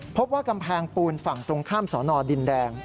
พบว่ากำแพงปูนฝั่งตรงข้ามสอนอดินแดง